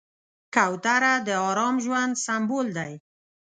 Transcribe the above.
کوتره د ارام ژوند سمبول دی.